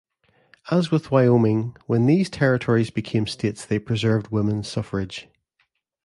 As with Wyoming, when these territories became states they preserved women's suffrage.